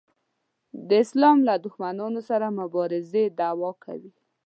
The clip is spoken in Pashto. د اسلام له دښمنانو سره مبارزې دعوا کوي.